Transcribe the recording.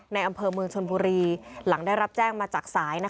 อำเภอเมืองชนบุรีหลังได้รับแจ้งมาจากสาย